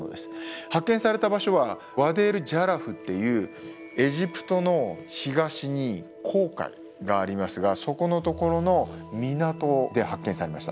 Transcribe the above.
発見された場所はワディ・エル＝ジャラフっていうエジプトの東に紅海がありますがそこのところの港で発見されました。